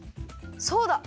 そうだ。